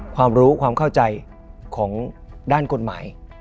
ความรู้ความเข้าใจของด้านกฎหมาย